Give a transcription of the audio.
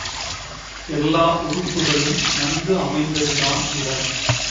எல்லா உறுப்புக்களும் நன்கு அமைந்ததுதான் உடல்.